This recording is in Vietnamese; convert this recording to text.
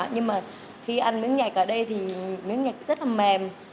nhưng mà khi ăn miếng nhạy ở đây thì miếng nhạch rất là mềm